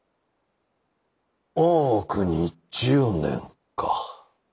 大奥に１０年か。